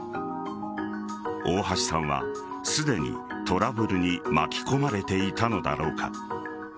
大橋さんは、すでにトラブルに巻き込まれていたのだろうか。